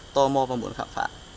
tò mò và muốn khám phá